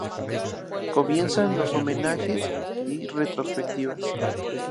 Comienzan los homenajes y retrospectivas.